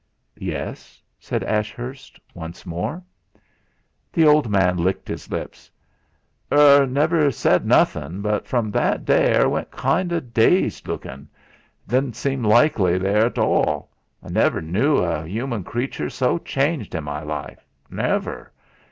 "Yes?" said Ashurst once more. The old man licked his lips. "'Er never said nothin', but from that day 'er went kind of dazed lukin'. didn'seem rightly therr at all. I never knu a'uman creature so changed in me life never.